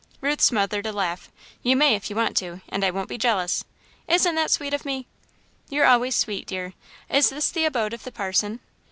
Ruth smothered a laugh. "You may, if you want to, and I won't be jealous. Isn't that sweet of me?" "You're always sweet, dear. Is this the abode of the parson?"